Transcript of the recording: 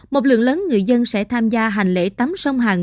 một lượng lớn người dân sẽ tham gia hành lễ tắm sông hằng